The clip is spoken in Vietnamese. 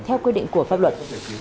theo quy định của pháp luật